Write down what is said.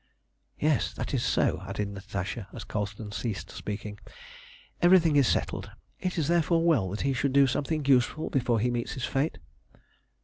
"Yes, that is so," added Natasha, as Colston ceased speaking. "Everything is settled. It is therefore well that he should do something useful before he meets his fate."